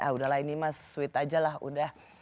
udahlah ini mas tweet aja lah udah